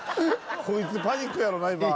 こいつパニックやろな今。